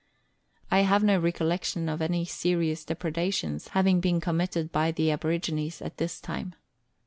I have no recollection of any serious depredations having been committed by the aborigines at this time.